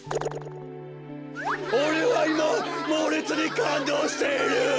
おれはいまもうれつにかんどうしている！